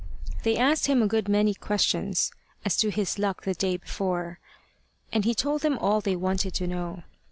They asked him a good many questions as to his luck the day before, and he told them all they wanted to know.